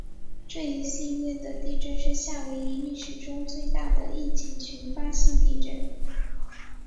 这一系列的地震是夏威夷历史中最大的一起群发性地震。